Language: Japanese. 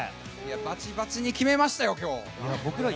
バチバチに決めましたよ今日。